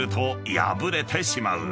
破れてしまう］